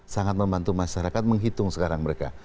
sangat membantu masyarakat menghitung sekarang mereka